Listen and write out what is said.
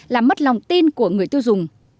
là mất lòng tin của người tiêu dùng